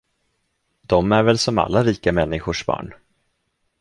De är väl som alla rika människors barn.